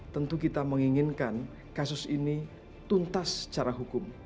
tentu kita menginginkan kasus ini tuntas secara hukum